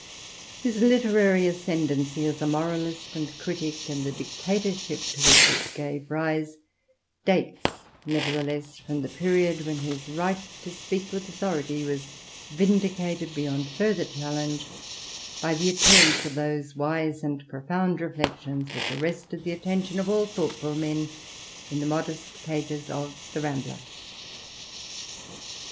His literary ascendency as a moralist and critic, and the dictatorship to which it gave rise, dates nevertheless from the period when his right to speak with authority was vindicated beyond further challenge, by the appearance of those wise and profound reflections which arrested the attention of all thoughtful men in the modest pages of the Rambler.